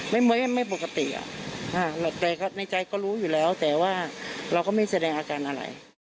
ไม่ปกติแต่ในใจก็รู้อยู่แล้วแต่ว่าเราก็ไม่แสดงอาการอะไร